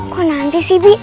kok nanti sih bi